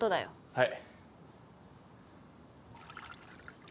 はい。